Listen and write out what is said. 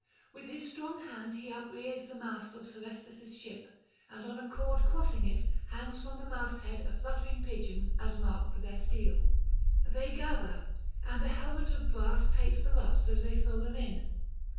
With his strong hand he uprears the mast of Serestus' ship, and on a cord crossing it hangs from the masthead a fluttering pigeon as mark for their steel. They gather, and a helmet of brass takes the lots as they throw them in.